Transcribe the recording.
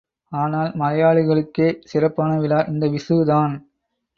ஆனால் மலையாளிகளுக்கே சிறப்பான விழா இந்த விஷு தான்.